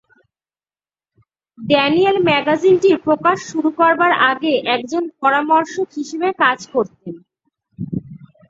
Daniel ম্যাগাজিনটির প্রকাশ শুরু করবার আগে একজন পরামর্শক হিসেবে কাজ করতেন।